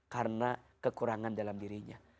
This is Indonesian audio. karena kekurangan dalam dirinya